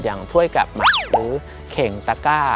อย่างถ้วยกับหมักหรือเข่งตะกร้า